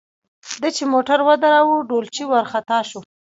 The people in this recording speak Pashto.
ده چې موټر ودراوه ډولچي ورخطا شو.